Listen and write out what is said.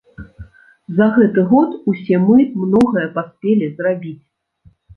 За гэты год усе мы многае паспелі зрабіць.